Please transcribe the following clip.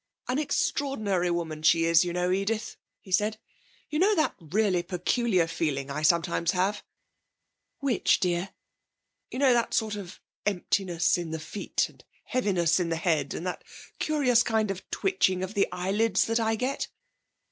'An extraordinary woman she is, you know, Edith,' he said. 'You know that really peculiar feeling I sometimes have?' 'Which, dear?' 'You know that sort of emptiness in the feet, and heaviness in the head, and that curious kind of twitching of the eyelids that I get?'